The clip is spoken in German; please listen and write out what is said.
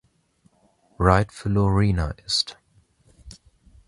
Right für Lorena ist.